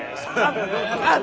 あっ！